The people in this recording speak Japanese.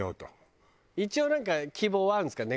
一応なんか希望はあるんですか？